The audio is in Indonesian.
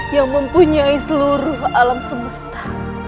yang mempunyai seluruh alam semesta